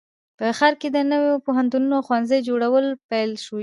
په دې ښار کې د نوو پوهنتونونو او ښوونځیو جوړول پیل شوي